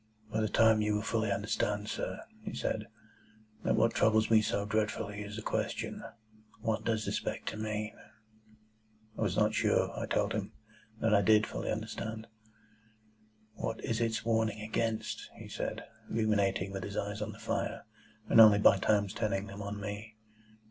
"By this time you will fully understand, sir," he said, "that what troubles me so dreadfully is the question, What does the spectre mean?" I was not sure, I told him, that I did fully understand. "What is its warning against?" he said, ruminating, with his eyes on the fire, and only by times turning them on me.